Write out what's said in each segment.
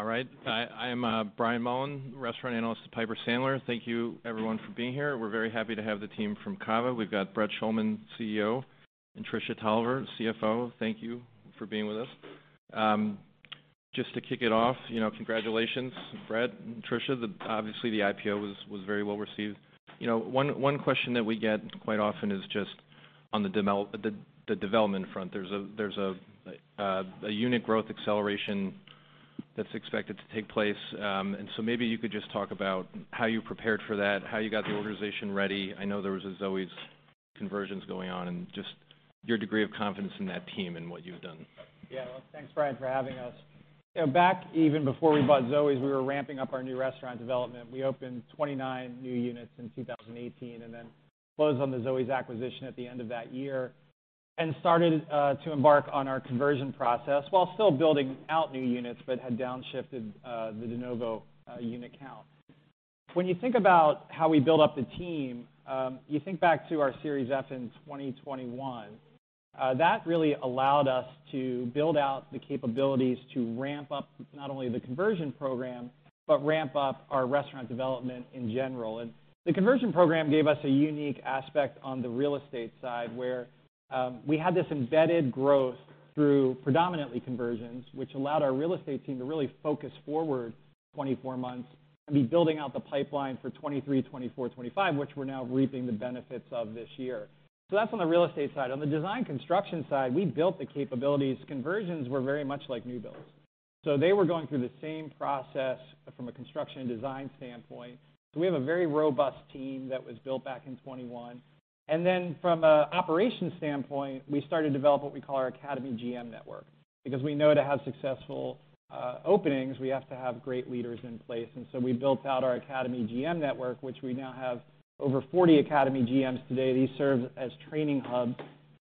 All right. I'm Brian Mullan, restaurant analyst at Piper Sandler. Thank you everyone for being here. We're very happy to have the team from CAVA. We've got Brett Schulman, CEO, and Tricia Tolivar, CFO. Thank you for being with us. Just to kick it off, you know, congratulations, Brett and Tricia. The obviously, the IPO was very well received. You know, one question that we get quite often is just on the development front. There's a unit growth acceleration that's expected to take place. And so maybe you could just talk about how you prepared for that, how you got the organization ready. I know there was a Zoës conversions going on, and just your degree of confidence in that team and what you've done. Yeah. Well, thanks, Brian, for having us. You know, back even before we bought Zoës, we were ramping up our new restaurant development. We opened 29 new units in 2018, and then closed on the Zoës acquisition at the end of that year, and started to embark on our conversion process while still building out new units, but had downshifted the de novo unit count. When you think about how we build up the team, you think back to our Series F in 2021, that really allowed us to build out the capabilities to ramp up not only the conversion program, but ramp up our restaurant development in general. The conversion program gave us a unique aspect on the real estate side, where we had this embedded growth through predominantly conversions, which allowed our real estate team to really focus forward 24 months and be building out the pipeline for 23, 24, 25, which we're now reaping the benefits of this year. That's on the real estate side. On the design construction side, we built the capabilities. Conversions were very much like new builds, so they were going through the same process from a construction and design standpoint. We have a very robust team that was built back in 2021. Then, from an operations standpoint, we started to develop what we call our Academy GM network, because we know to have successful openings, we have to have great leaders in place. We built out our Academy GM network, which we now have over 40 Academy GMs today. These serve as training hubs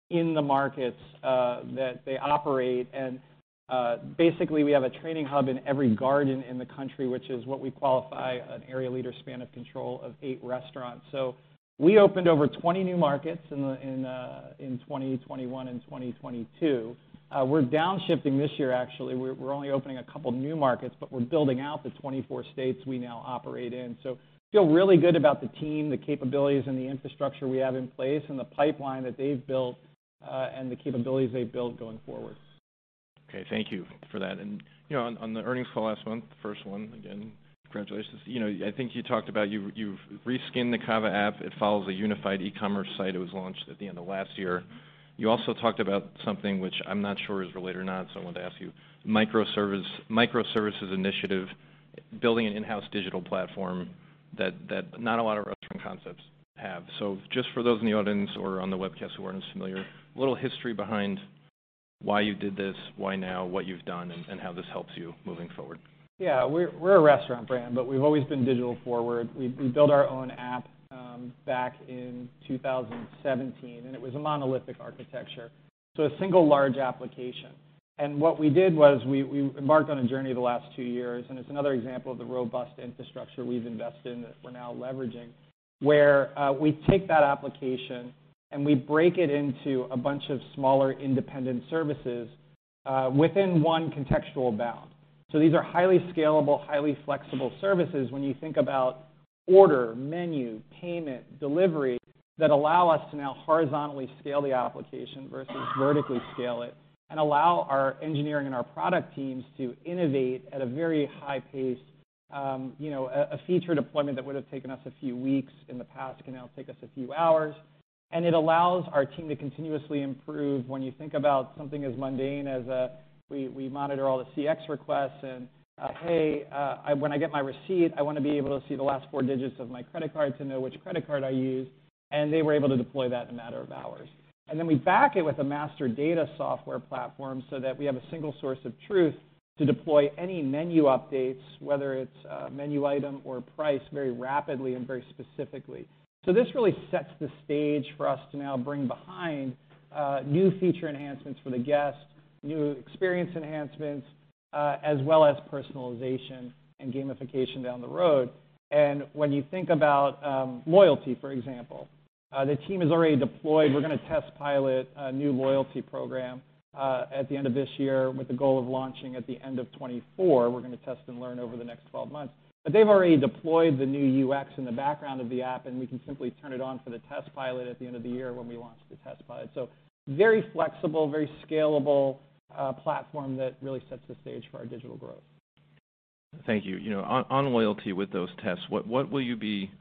in the markets that they operate. Basically, we have a training hub in every garden in the country, which is what we qualify an area leader span of control of eight restaurants. We opened over 20 new markets in 2021 and 2022. We're downshifting this year, actually. We're only opening a couple new markets, but we're building out the 24 states we now operate in. We feel really good about the team, the capabilities, and the infrastructure we have in place, and the pipeline that they've built and the capabilities they've built going forward. Okay, thank you for that. You know, on the earnings call last month, the first one, again, congratulations. You know, I think you talked about you've reskinned the CAVA app. It follows a unified e-commerce site. It was launched at the end of last year. You also talked about something which I'm not sure is related or not, so I wanted to ask you. Microservices initiative, building an in-house digital platform that not a lot of restaurant concepts have. So just for those in the audience or on the webcast who aren't as familiar, a little history behind why you did this, why now, what you've done, and how this helps you moving forward. Yeah, we're a restaurant brand, but we've always been digital forward. We built our own app back in 2017, and it was a monolithic architecture, so a single large application. What we did was we embarked on a journey the last two years, and it's another example of the robust infrastructure we've invested in that we're now leveraging, where we take that application, and we break it into a bunch of smaller, independent services within one contextual bound. So these are highly scalable, highly flexible services when you think about order, menu, payment, delivery, that allow us to now horizontally scale the application versus vertically scale it, and allow our engineering and our product teams to innovate at a very high pace. You know, a feature deployment that would've taken us a few weeks in the past can now take us a few hours, and it allows our team to continuously improve. When you think about something as mundane as, we monitor all the CX requests and, "Hey, when I get my receipt, I wanna be able to see the last four digits of my credit card to know which credit card I used," and they were able to deploy that in a matter of hours. And then, we back it with a master data software platform so that we have a single source of truth to deploy any menu updates, whether it's a menu item or price, very rapidly and very specifically. So this really sets the stage for us to now bring behind new feature enhancements for the guests, new experience enhancements, as well as personalization and gamification down the road. And when you think about loyalty, for example, the team has already deployed. We're gonna test pilot a new loyalty program at the end of this year, with the goal of launching at the end of 2024. We're gonna test and learn over the next 12 months. But they've already deployed the new UX in the background of the app, and we can simply turn it on for the test pilot at the end of the year when we launch the test pilot. So very flexible, very scalable platform that really sets the stage for our digital growth. Thank you. You know, on loyalty with those tests, what will you be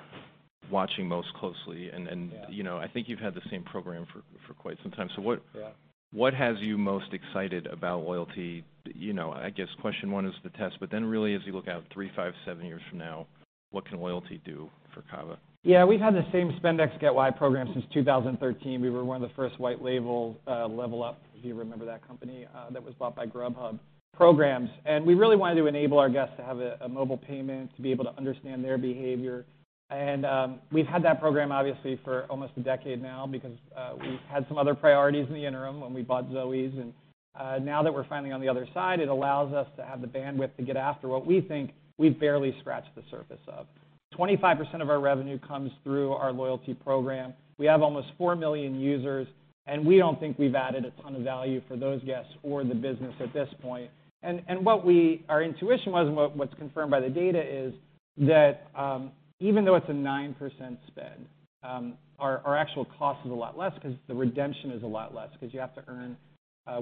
watching most closely? Yeah... you know, I think you've had the same program for quite some time. So what- Yeah... what has you most excited about loyalty? You know, I guess question one is the test, but then really, as you look out three, five, seven years from now, what can loyalty do for CAVA? Yeah, we've had the same spend X, get Y program since 2013. We were one of the first white label LevelUp, if you remember that company, that was bought by Grubhub, programs. And we really wanted to enable our guests to have a, a mobile payment, to be able to understand their behavior. And, we've had that program, obviously, for almost a decade now because, we've had some other priorities in the interim when we bought Zoës. And, now that we're finally on the other side, it allows us to have the bandwidth to get after what we think we've barely scratched the surface of. 25% of our revenue comes through our loyalty program. We have almost four million users, and we don't think we've added a ton of value for those guests or the business at this point. What we-- our intuition was, and what's confirmed by the data is that even though it's a 9% spend, our actual cost is a lot less 'cause the redemption is a lot less, 'cause you have to earn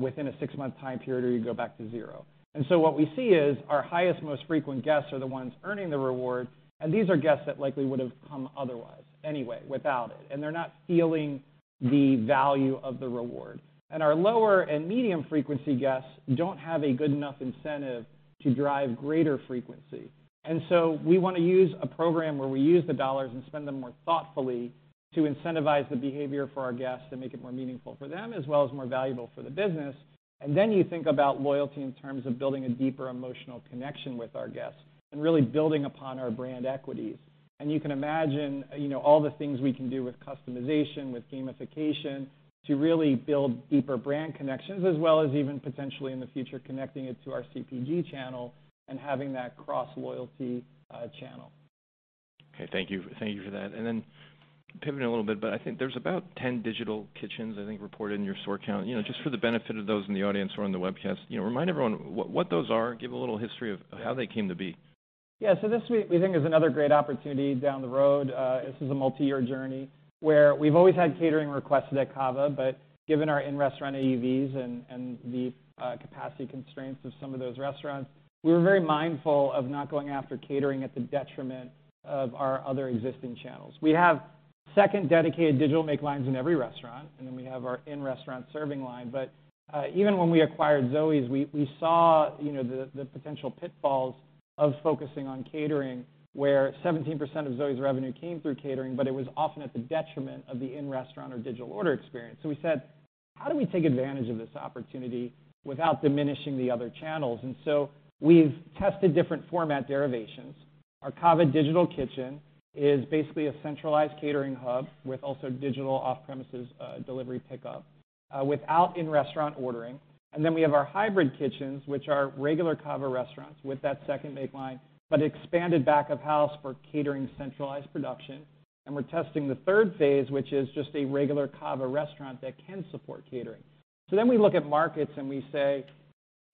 within a six-month time period, or you go back to zero. And so what we see is our highest, most frequent guests are the ones earning the reward, and these are guests that likely would have come otherwise, anyway, without it, and they're not feeling the value of the reward. And our lower and medium frequency guests don't have a good enough incentive to drive greater frequency. So we wanna use a program where we use the dollars and spend them more thoughtfully to incentivize the behavior for our guests and make it more meaningful for them, as well as more valuable for the business. Then you think about loyalty in terms of building a deeper emotional connection with our guests and really building upon our brand equities. And you can imagine, you know, all the things we can do with customization, with gamification to really build deeper brand connections, as well as even potentially, in the future, connecting it to our CPG channel and having that cross-loyalty channel. Okay, thank you. Thank you for that. And then pivoting a little bit, but I think there's about 10 Digital Kitchens, I think, reported in your store count. You know, just for the benefit of those in the audience who are on the webcast, you know, remind everyone what, what those are. Give a little history of how they came to be. Yeah, so this, we think is another great opportunity down the road. This is a multi-year journey where we've always had catering requested at CAVA, but given our in-restaurant AUVs and the capacity constraints of some of those restaurants, we were very mindful of not going after catering at the detriment of our other existing channels. We have second dedicated digital make lines in every restaurant, and then we have our in-restaurant serving line. But even when we acquired Zoës, we saw, you know, the potential pitfalls of focusing on catering, where 17% of Zoës revenue came through catering, but it was often at the detriment of the in-restaurant or digital order experience. So we said: How do we take advantage of this opportunity without diminishing the other channels? And so we've tested different format derivations. Our CAVA digital kitchen is basically a centralized catering hub with also digital off-premises, delivery pickup, without in-restaurant ordering. And then we have our hybrid kitchens, which are regular CAVA restaurants with that second make line, but expanded back-of-house for catering centralized production. And we're testing the third phase, which is just a regular CAVA restaurant that can support catering. So then we look at markets, and we say,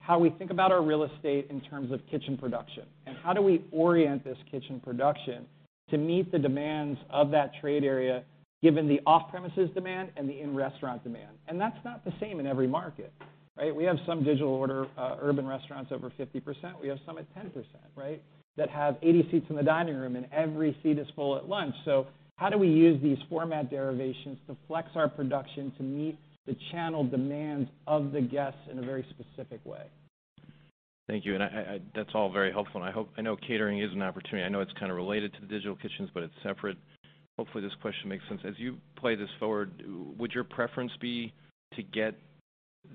how we think about our real estate in terms of kitchen production, and how do we orient this kitchen production to meet the demands of that trade area, given the off-premises demand and the in-restaurant demand? And that's not the same in every market, right? We have some digital order, urban restaurants over 50%. We have some at 10%, right? That have 80 seats in the dining room, and every seat is full at lunch. How do we use these format derivations to flex our production to meet the channel demands of the guests in a very specific way? Thank you. That's all very helpful, and I hope. I know catering is an opportunity. I know it's kind of related to the digital kitchens, but it's separate. Hopefully, this question makes sense. As you play this forward, would your preference be to get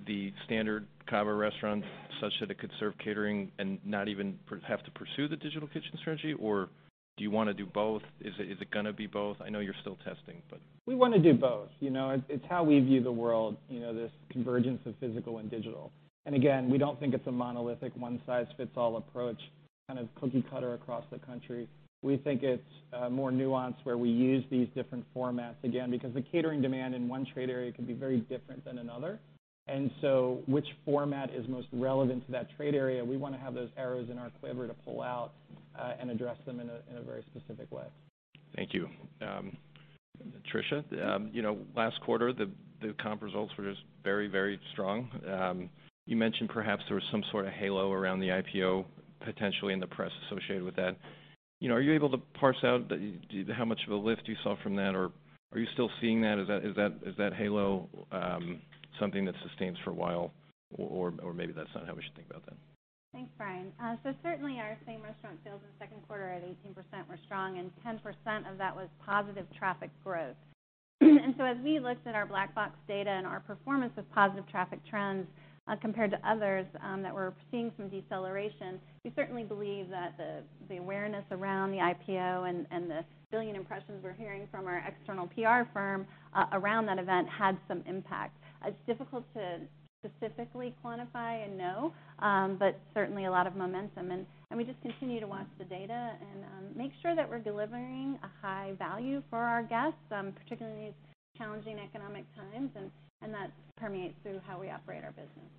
the standard CAVA restaurant such that it could serve catering and not even have to pursue the digital kitchen strategy? Or do you wanna do both? Is it, is it gonna be both? I know you're still testing, but. We wanna do both. You know, it, it's how we view the world, you know, this convergence of physical and digital. And again, we don't think it's a monolithic, one-size-fits-all approach, kind of, cookie cutter across the country. We think it's more nuanced, where we use these different formats, again, because the catering demand in one trade area can be very different than another. And so which format is most relevant to that trade area, we wanna have those arrows in our quiver to pull out, and address them in a, in a very specific way. Thank you. Tricia, you know, last quarter, the comp results were just very, very strong. You mentioned perhaps there was some sort of halo around the IPO, potentially in the press associated with that. You know, are you able to parse out the... How much of a lift you saw from that, or are you still seeing that? Is that halo something that sustains for a while, or maybe that's not how we should think about that? Thanks, Brian. So certainly our Same-Restaurant Sales in the second quarter at 18% were strong, and 10% of that was positive traffic growth. And so as we looked at our Black Box data and our performance with positive traffic trends, compared to others that were seeing some deceleration, we certainly believe that the awareness around the IPO and the 1 billion impressions we're hearing from our external PR firm around that event had some impact. It's difficult to specifically quantify and know, but certainly a lot of momentum. And we just continue to watch the data and make sure that we're delivering a high value for our guests, particularly in these challenging economic times, and that permeates through how we operate our business.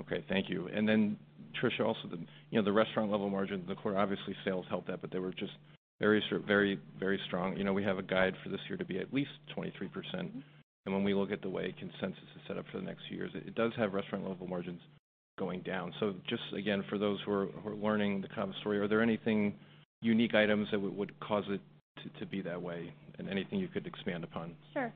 Okay, thank you. And then, Tricia, also the, you know, the restaurant-level margin, the core, obviously, sales helped that, but they were just very, very strong. You know, we have a guide for this year to be at least 23%. And when we look at the way consensus is set up for the next few years, it does have restaurant-level margins going down. So just again, for those who are learning the CAVA story, are there anything unique items that would cause it to be that way and anything you could expand upon? Sure.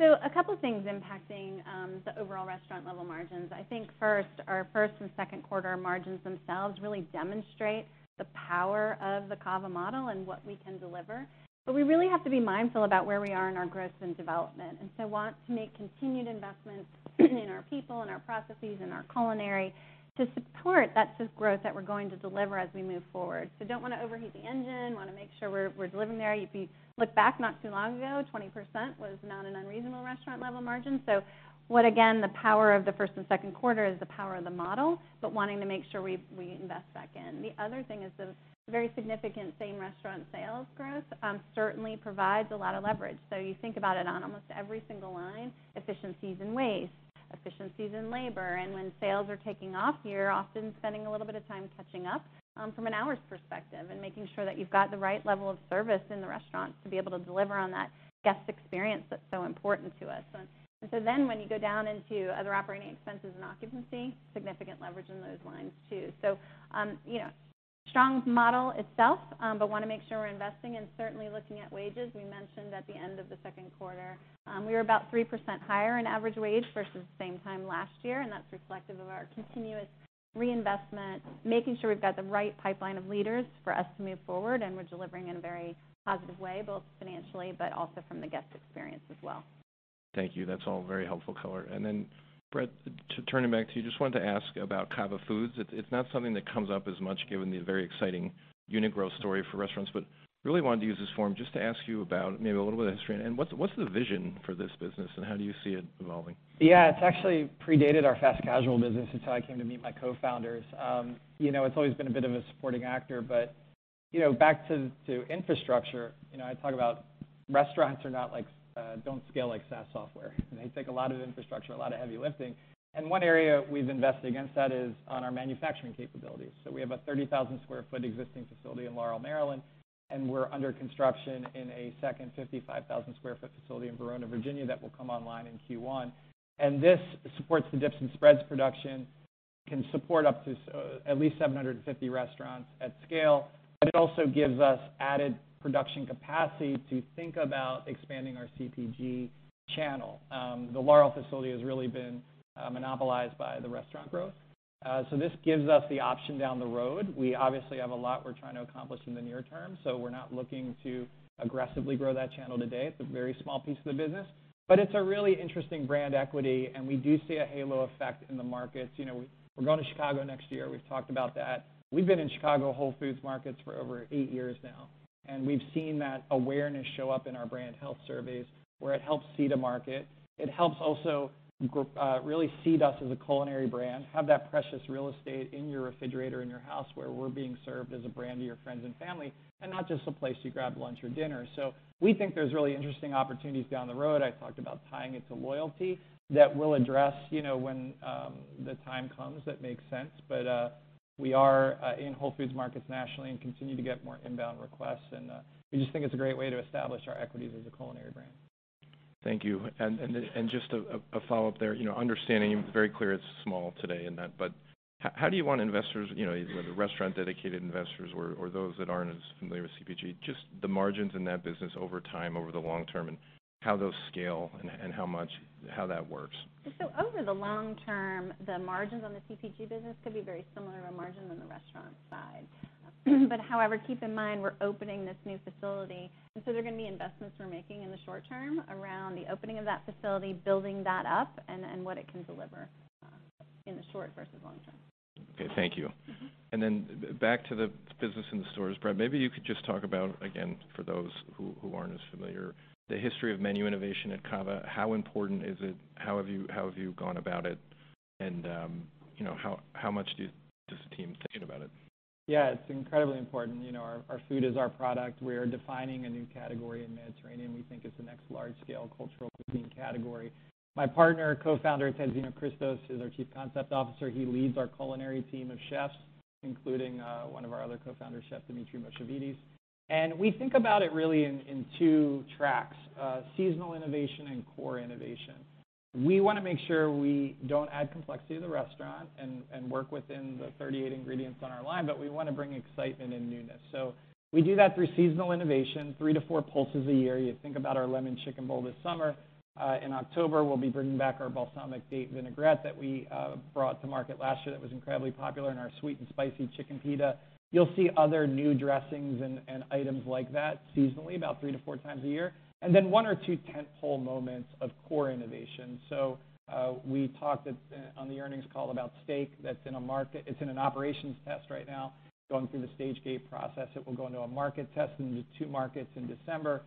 So a couple things impacting the overall restaurant-level margins. I think first, our first and second quarter margins themselves really demonstrate the power of the CAVA model and what we can deliver. But we really have to be mindful about where we are in our growth and development, and so want to make continued investments, in our people, in our processes, in our culinary, to support that growth that we're going to deliver as we move forward. So don't wanna overheat the engine, wanna make sure we're, we're delivering there. If you look back, not too long ago, 20% was not an unreasonable restaurant-level margin. So what, again, the power of the first and second quarter is the power of the model, but wanting to make sure we, we invest back in. The other thing is the very significant same-restaurant sales growth, certainly provides a lot of leverage. So you think about it on almost every single line, efficiencies in waste, efficiencies in labor, and when sales are taking off, you're often spending a little bit of time catching up, from an hours perspective and making sure that you've got the right level of service in the restaurant to be able to deliver on that guest experience that's so important to us. And, and so then, when you go down into other operating expenses and occupancy, significant leverage in those lines, too. So, you know, strong model itself, but wanna make sure we're investing and certainly looking at wages. We mentioned at the end of the second quarter, we were about 3% higher in average wage versus same time last year, and that's reflective of our continuous reinvestment, making sure we've got the right pipeline of leaders for us to move forward, and we're delivering in a very positive way, both financially, but also from the guest experience as well. Thank you. That's all very helpful color. And then, Brett, turning back to you, just wanted to ask about CAVA Foods. It's not something that comes up as much, given the very exciting unit growth story for restaurants, but really wanted to use this forum just to ask you about maybe a little bit of history and what's the vision for this business, and how do you see it evolving? Yeah, it's actually predated our fast casual business. It's how I came to meet my co-founders. You know, it's always been a bit of a supporting actor, but, you know, back to infrastructure, you know, I talk about restaurants are not like, don't scale like SaaS software. They take a lot of infrastructure, a lot of heavy lifting, and one area we've invested against that is on our manufacturing capabilities. So we have a 30,000 sq ft existing facility in Laurel, Maryland, and we're under construction in a second 55,000 sq ft facility in Verona, Virginia, that will come online in Q1. And this supports the dips and spreads production, can support up to at least 750 restaurants at scale, but it also gives us added production capacity to think about expanding our CPG channel. The Laurel facility has really been monopolized by the restaurant growth, so this gives us the option down the road. We obviously have a lot we're trying to accomplish in the near term, so we're not looking to aggressively grow that channel today. It's a very small piece of the business, but it's a really interesting brand equity, and we do see a halo effect in the markets. You know, we're going to Chicago next year. We've talked about that. We've been in Chicago Whole Foods markets for over eight years now, and we've seen that awareness show up in our brand health surveys, where it helps seed a market. It helps also really seed us as a culinary brand, have that precious real estate in your refrigerator, in your house, where we're being served as a brand to your friends and family, and not just a place you grab lunch or dinner. So we think there's really interesting opportunities down the road. I talked about tying it to loyalty that we'll address, you know, when the time comes, that makes sense. But we are in Whole Foods markets nationally and continue to get more inbound requests, and we just think it's a great way to establish our equities as a culinary brand. Thank you. And just a follow-up there, you know, understanding very clear it's small today and that, but how do you want investors, you know, whether the restaurant-dedicated investors or those that aren't as familiar with CPG, just the margins in that business over time, over the long term, and how those scale and how much... How that works? So over the long term, the margins on the CPG business could be very similar of a margin on the restaurant side. But however, keep in mind, we're opening this new facility, and so there are gonna be investments we're making in the short term around the opening of that facility, building that up, and what it can deliver in the short versus long term. Okay, thank you. And then back to the business in the stores, Brett, maybe you could just talk about, again, for those who aren't as familiar, the history of menu innovation at CAVA. How important is it? How have you gone about it? And, you know, how much does the team think about it? Yeah, it's incredibly important. You know, our, our food is our product. We are defining a new category in Mediterranean. We think it's the next large-scale cultural cuisine category. My partner, co-founder, Ted Xenohristos, who's our Chief Concept Officer, he leads our culinary team of chefs, including, one of our other co-founders, Chef Dimitri Moshovitis. And we think about it really in, in two tracks: seasonal innovation and core innovation. We wanna make sure we don't add complexity to the restaurant and, and work within the 38 ingredients on our line, but we wanna bring excitement and newness. So we do that through seasonal innovation, three to four pulses a year. You think about our lemon chicken bowl this summer. In October, we'll be bringing back our balsamic date vinaigrette that we brought to market last year, that was incredibly popular, and our sweet and spicy chicken pita. You'll see other new dressings and items like that seasonally, about three to four times a year. And then one or two tent-pole moments of core innovation. So, we talked on the earnings call about steak. That's in a market. It's in an operations test right now, going through the Stage Gate Process. It will go into a market test in two markets in December,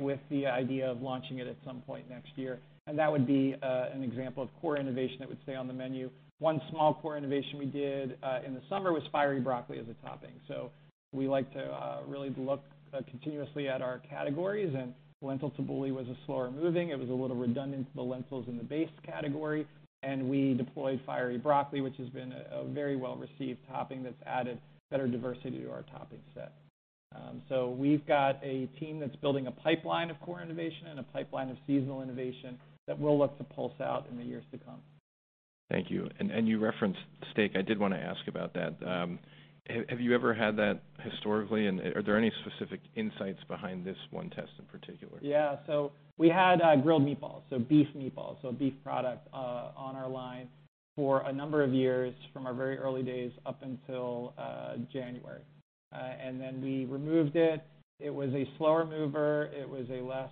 with the idea of launching it at some point next year, and that would be an example of core innovation that would stay on the menu. One small core innovation we did in the summer was fiery broccoli as a topping. So we like to really look continuously at our categories, and lentil tabbouleh was a slower moving. It was a little redundant to the lentils in the base category, and we deployed fiery broccoli, which has been a very well-received topping that's added better diversity to our topping set. So we've got a team that's building a pipeline of core innovation and a pipeline of seasonal innovation that we'll look to pulse out in the years to come. Thank you. And you referenced steak. I did wanna ask about that. Have you ever had that historically, and are there any specific insights behind this one test in particular? Yeah. So we had grilled meatballs, so beef meatballs, so a beef product on our line for a number of years, from our very early days up until January. And then we removed it. It was a slower mover. It was a less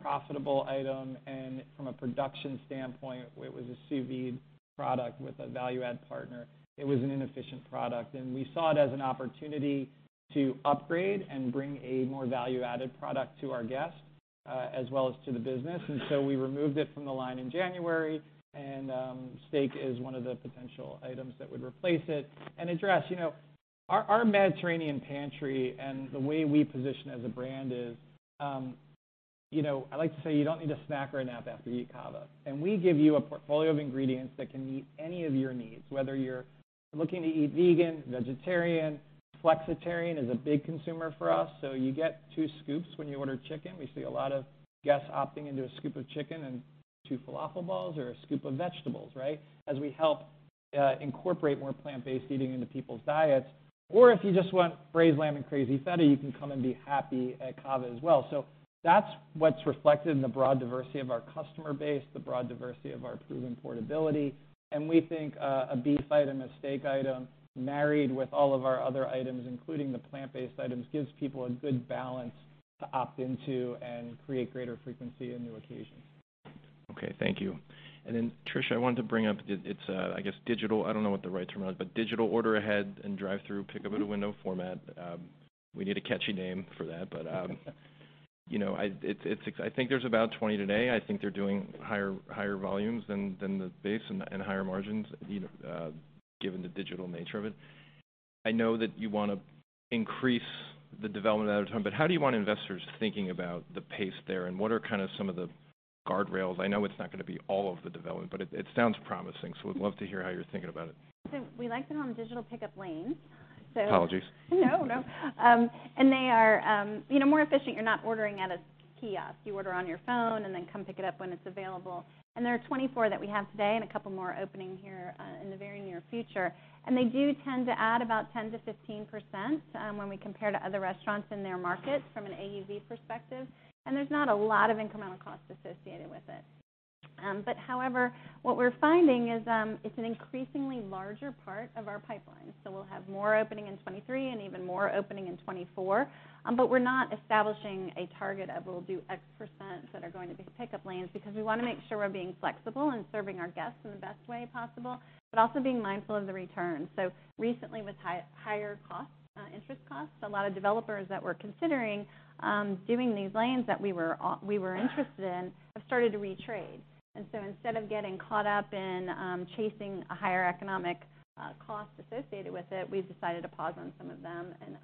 profitable item, and from a production standpoint, it was a sous vide product with a value-add partner. It was an inefficient product, and we saw it as an opportunity to upgrade and bring a more value-added product to our guests, as well as to the business. And so we removed it from the line in January, and steak is one of the potential items that would replace it. Address, you know, our Mediterranean pantry and the way we position as a brand is, you know, I like to say, "You don't need a snack or a nap after you eat CAVA." We give you a portfolio of ingredients that can meet any of your needs, whether you're looking to eat vegan, vegetarian, flexitarian is a big consumer for us, so you get two scoops when you order chicken. We see a lot of guests opting into a scoop of chicken and two falafel balls or a scoop of vegetables, right? As we help incorporate more plant-based eating into people's diets. Or if you just want braised lamb and Crazy Feta, you can come and be happy at CAVA as well. So that's what's reflected in the broad diversity of our customer base, the broad diversity of our proven portability. We think a beef item, a steak item, married with all of our other items, including the plant-based items, gives people a good balance to opt into and create greater frequency and new occasions. Okay, thank you. And then, Tricia, I wanted to bring up, it's, I guess, digital—I don't know what the right term is, but digital order ahead and drive-through pickup at a window format. We need a catchy name for that. But, you know, it's—I think there's about 20 today. I think they're doing higher volumes than the base and higher margins, you know, given the digital nature of it. I know that you wanna increase the development over time, but how do you want investors thinking about the pace there, and what are kind of some of the guardrails? I know it's not gonna be all of the development, but it sounds promising, so we'd love to hear how you're thinking about it. So we landed on Digital Pickup Lanes. Apologies. No, no. And they are, you know, more efficient. You're not ordering at a kiosk. You order on your phone, and then come pick it up when it's available. And there are 24 that we have today and a couple more opening here, in the very near future. And they do tend to add about 10%-15%, when we compare to other restaurants in their markets from an AUV perspective, and there's not a lot of incremental cost associated with it. But however, what we're finding is, it's an increasingly larger part of our pipeline. So we'll have more opening in 2023 and even more opening in 2024. But we're not establishing a target of we'll do X% that are going to be pickup lanes, because we wanna make sure we're being flexible and serving our guests in the best way possible, but also being mindful of the return. So recently, with higher costs, interest costs, a lot of developers that were considering doing these lanes that we were interested in, have started to retrade. And so instead of getting caught up in chasing a higher economic cost associated with it, we've decided to pause on some of them and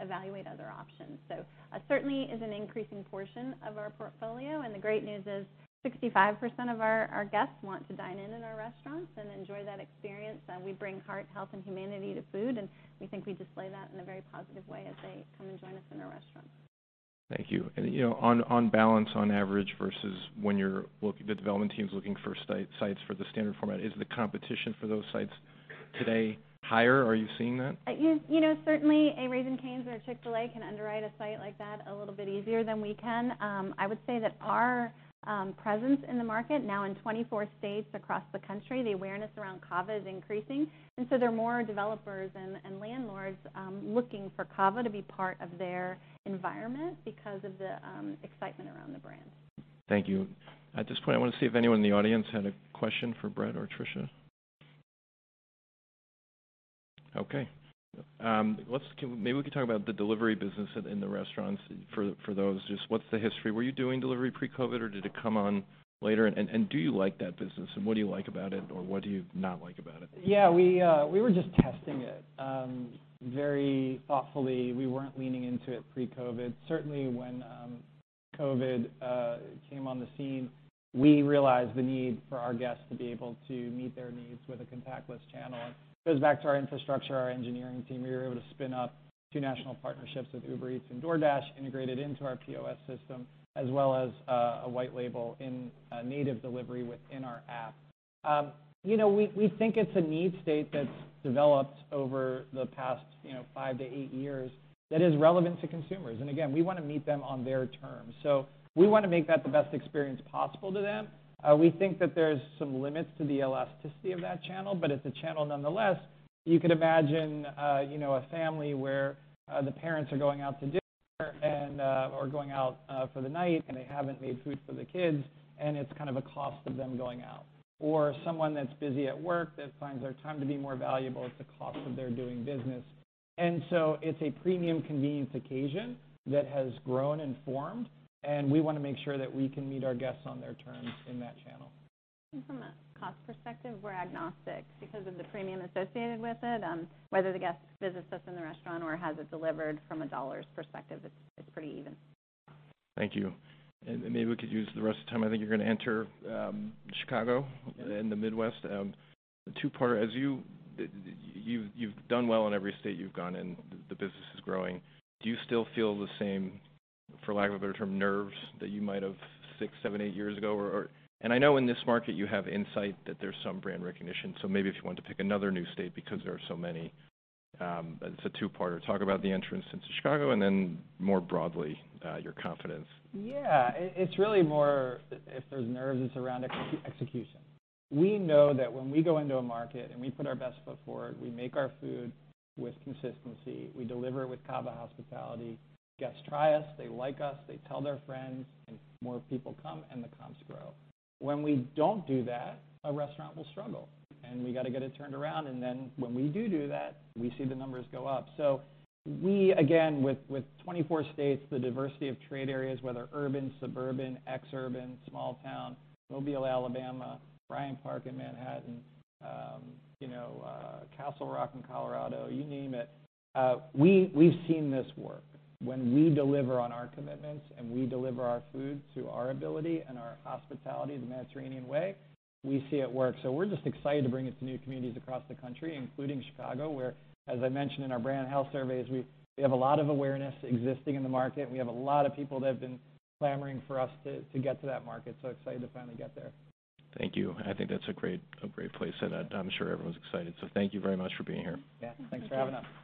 evaluate other options. So it certainly is an increasing portion of our portfolio, and the great news is, 65% of our guests want to dine in our restaurants and enjoy that experience. We bring heart, health, and humanity to food, and we think we display that in a very positive way as they come and join us in our restaurants. Thank you. And, you know, on balance, on average, versus when the development team's looking for sites for the standard format, is the competition for those sites today higher? Are you seeing that? You know, certainly a Raising Cane's or a Chick-fil-A can underwrite a site like that a little bit easier than we can. I would say that our presence in the market, now in 24 states across the country, the awareness around CAVA is increasing. And so there are more developers and landlords looking for CAVA to be part of their environment because of the excitement around the brand. Thank you. At this point, I want to see if anyone in the audience had a question for Brett or Tricia. Okay. Maybe we can talk about the delivery business in the restaurants. For those, just what's the history? Were you doing delivery pre-COVID, or did it come on later? And do you like that business, and what do you like about it, or what do you not like about it? Yeah, we were just testing it very thoughtfully. We weren't leaning into it pre-COVID. Certainly, when COVID came on the scene, we realized the need for our guests to be able to meet their needs with a contactless channel. And it goes back to our infrastructure, our engineering team. We were able to spin up two national partnerships with Uber Eats and DoorDash, integrated into our POS system, as well as a white label in a native delivery within our app. You know, we think it's a need state that's developed over the past, you know, five to eight years that is relevant to consumers. And again, we wanna meet them on their terms. So we wanna make that the best experience possible to them. We think that there's some limits to the elasticity of that channel, but it's a channel nonetheless. You could imagine, you know, a family where the parents are going out to dinner and or going out for the night, and they haven't made food for the kids, and it's kind of a cost of them going out. Or someone that's busy at work that finds their time to be more valuable, it's a cost of their doing business. And so it's a premium convenience occasion that has grown and formed, and we wanna make sure that we can meet our guests on their terms in that channel. From a cost perspective, we're agnostic because of the premium associated with it. Whether the guest visits us in the restaurant or has it delivered from a dollars perspective, it's, it's pretty even. Thank you. Maybe we could use the rest of the time. I think you're gonna enter, Chicago- Yes. and the Midwest. The two-parter, as you've done well in every state you've gone in, the business is growing. Do you still feel the same, for lack of a better term, nerves, that you might have six, seven, eight years ago? Or, and I know in this market you have insight that there's some brand recognition. So maybe if you want to pick another new state because there are so many. It's a two-parter: Talk about the entrance into Chicago and then, more broadly, your confidence. Yeah, it's really more if there's nerves, it's around execution. We know that when we go into a market and we put our best foot forward, we make our food with consistency, we deliver it with CAVA hospitality, guests try us, they like us, they tell their friends, and more people come, and the comps grow. When we don't do that, a restaurant will struggle, and we got to get it turned around, and then when we do do that, we see the numbers go up. So we, again, with 24 states, the diversity of trade areas, whether urban, suburban, exurban, small town, Mobile, Alabama, Bryant Park in Manhattan, you know, Castle Rock, Colorado, you name it, we, we've seen this work. When we deliver on our commitments, and we deliver our food to our ability and our hospitality, the Mediterranean way, we see it work. So we're just excited to bring it to new communities across the country, including Chicago, where, as I mentioned in our brand health surveys, we, we have a lot of awareness existing in the market. We have a lot of people that have been clamoring for us to, to get to that market. So excited to finally get there. Thank you. I think that's a great, a great place to end. I'm sure everyone's excited. Thank you very much for being here. Yeah. Thanks for having us.